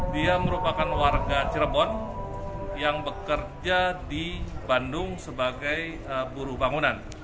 dia merupakan warga cirebon yang bekerja di bandung sebagai buruh bangunan